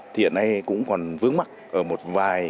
thì hiện nay cũng còn vướng mặt ở một vài cái